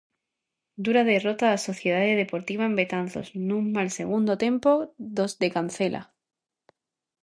Dura derrota da Sociedade Deportiva en Betanzos nun mal segundo tempo dos de Cancela.